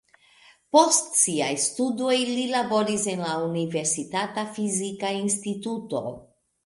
Post siaj studoj li laboris en la universitata fizika instituto.